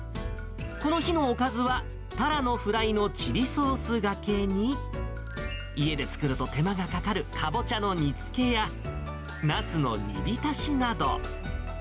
この日のおかずは、タラのフライのチリソースがけに、家で作ると手間がかかるカボチャの煮つけや、ナスの煮びたしなど。